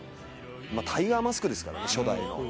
タイガーマスクですからね初代の。